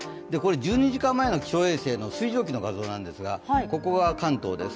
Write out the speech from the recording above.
１２時間前の気象衛星の水蒸気の画像なんですが、ここが関東です。